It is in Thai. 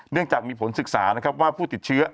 จากมีผลศึกษานะครับว่าผู้ติดเชื้อ